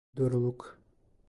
Doğruluk.